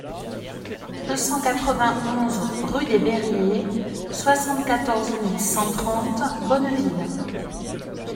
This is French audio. deux cent quatre-vingt-onze rue des Bairiers, soixante-quatorze mille cent trente Bonneville